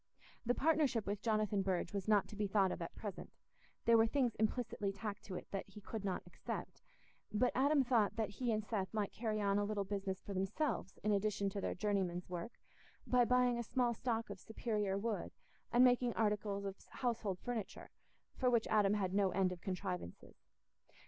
The partnership with Jonathan Burge was not to be thought of at present—there were things implicitly tacked to it that he could not accept; but Adam thought that he and Seth might carry on a little business for themselves in addition to their journeyman's work, by buying a small stock of superior wood and making articles of household furniture, for which Adam had no end of contrivances.